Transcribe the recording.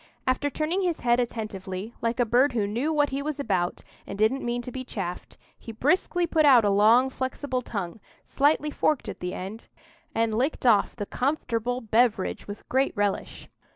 After turning his head attentively, like a bird who knew what he was about and didn't mean to be chaffed, he briskly put out a long, flexible tongue, slightly forked at the end, and licked off the comfortable beverage with great relish.